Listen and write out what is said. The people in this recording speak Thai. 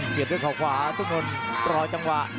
เสียบด้วยข่าวขวาทุกคนรอจังหวะ